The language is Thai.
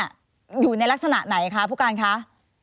อยู่ในลักษณะไหนคะผู้การคะ